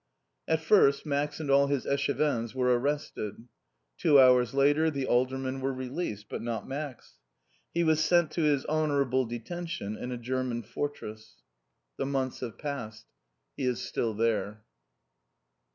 At first Max and all his Échevins were arrested. Two hours later the aldermen were released. But not Max. He was sent to his honorable detention in a German fortress. The months have passed. He is still there!